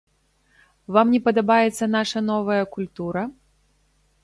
Вам не падабаецца наша новая культура?